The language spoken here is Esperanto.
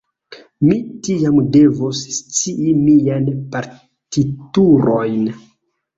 Mi tiam devos scii miajn partiturojn.